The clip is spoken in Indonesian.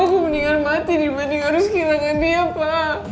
aku mendingan mati dibanding harus kehilangan dia pak